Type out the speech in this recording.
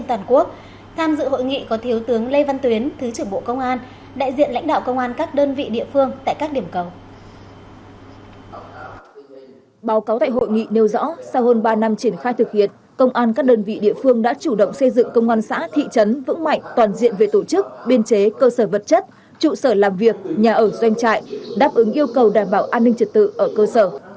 sau hơn ba năm triển khai thực hiện công an các đơn vị địa phương đã chủ động xây dựng công an xã thị trấn vững mạnh toàn diện về tổ chức biên chế cơ sở vật chất trụ sở làm việc nhà ở doanh trại đáp ứng yêu cầu đảm bảo an ninh trật tự ở cơ sở